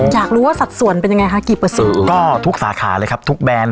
อยากรู้ว่าสัดส่วนเป็นยังไงคะกี่เปอร์เซ็นต์ก็ทุกสาขาเลยครับทุกแบรนด